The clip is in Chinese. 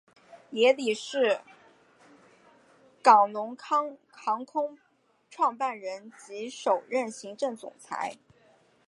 苗礼士是港龙航空创办人及首任行政总裁。